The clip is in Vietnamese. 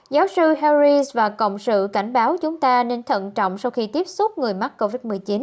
giáo sư harris và cộng sự cảnh báo chúng ta nên thận trọng sau khi tiếp xúc người mắc covid một mươi chín